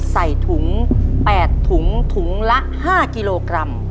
ใส่ถุง๘ถุงถุงละ๕กิโลกรัม